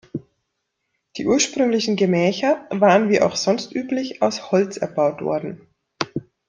Die ursprünglichen Gemächer waren, wie auch sonst üblich, aus Holz erbaut worden.